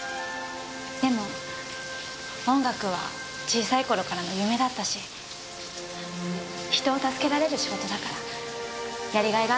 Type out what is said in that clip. でも音楽は小さい頃からの夢だったし人を助けられる仕事だからやりがいがあるの。